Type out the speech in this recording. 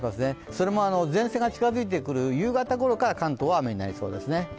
それも前線が近づいてくる夕方くらいから関東は雨になりそうですね。